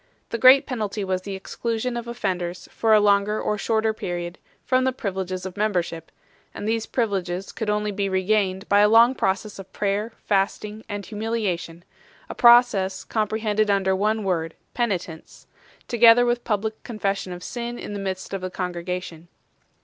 The great penalty was the exclusion of offenders for a longer or shorter period from the privileges of membership ; and these privileges could only be regained by a long process of prayer, fasting, and humiliation a process comprehended under the one word " penitence" together with public confession of sin in the midst of the congregation 2